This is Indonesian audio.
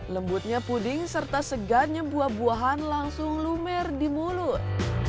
lembutnya puding serta segarnya buah buahan langsung lumer di mulut